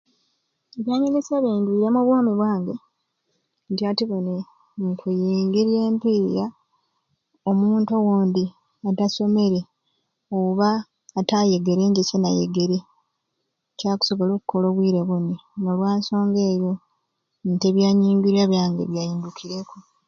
Ebyamigaso bingi nti ati obwomi bwange nti ati buni nkwingirya empiiya omuntu owondi atasomere oba ataayegere nje kyenayegere kyakusobola okukola obwire buni n'olwa nsonga eyo nti ebyanyingirya byange byayindukireku.